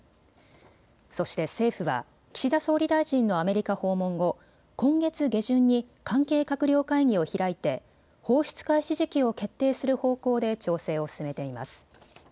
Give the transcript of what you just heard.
そして政府は岸田総理大臣のアメリカ訪問後、今月下旬に関係閣僚会議を開いて放出開始時期を決定する方向で調整を進めています。